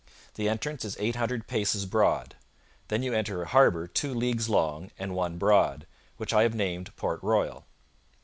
The entrance is 800 paces broad; then you enter a harbour two leagues long and one broad, which I have named Port Royal.'